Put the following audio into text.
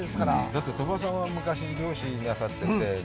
だって、鳥羽さんは、昔、漁師をなさってて。